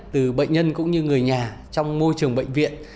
từ bệnh nhân cũng như người nhà trong môi trường bệnh viện